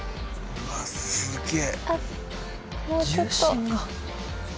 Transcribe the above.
うわっすげえ。